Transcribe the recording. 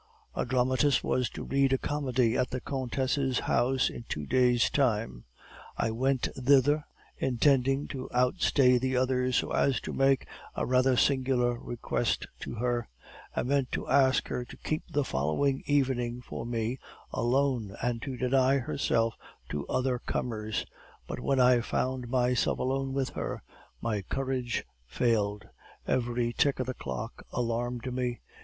"A dramatist was to read a comedy at the countess' house in two days' time; I went thither, intending to outstay the others, so as to make a rather singular request to her; I meant to ask her to keep the following evening for me alone, and to deny herself to other comers; but when I found myself alone with her, my courage failed. Every tick of the clock alarmed me.